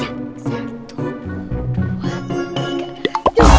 satu dua tiga